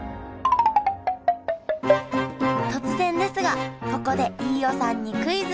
突然ですがここで飯尾さんにクイズ！